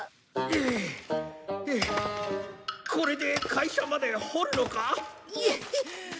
これで会社まで掘るのか？